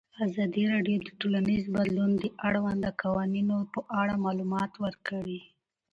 ازادي راډیو د ټولنیز بدلون د اړونده قوانینو په اړه معلومات ورکړي.